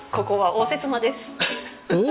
応接間！？